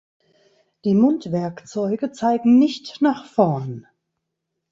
Die Mundwerkzeuge zeigen nicht nach vorn.